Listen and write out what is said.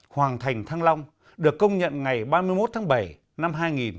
hoàng thành thăng long được công nhận ngày ba mươi một tháng bảy năm hai nghìn một mươi